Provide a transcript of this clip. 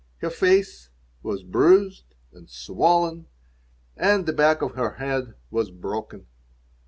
Her face was bruised and swollen and the back of her head was broken.